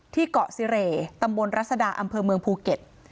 ที่เกาะซีเรตำบลรัศดาอำเภอเมืองภูเก็ต